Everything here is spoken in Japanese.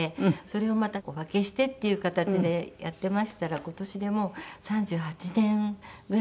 それをまたお分けしてっていう形でやっていましたら今年でもう３８年ぐらいに。